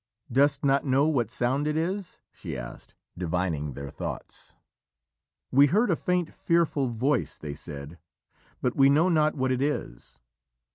"Dost not know what sound it is?" she asked, divining their thoughts. "We heard a faint, fearful voice," they said, "but we know not what it is."